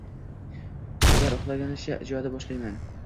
Ular uxlagachgina, ijodni boshlayman.